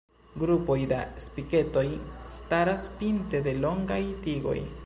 Grupoj da spiketoj staras pinte de longaj tigoj.